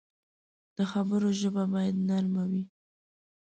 د خبرو ژبه باید نرم وي